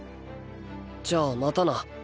じゃあまたな。